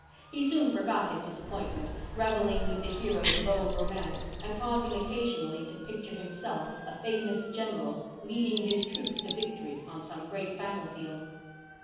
He soon forgot his disappointment, revelling with the heroes of old romance, and pausing occasionally to picture himself a famous general, leading his troops to victory on some great battlefield.